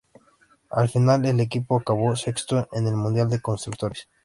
Al final, el equipo acabó sexto en el mundial de constructores.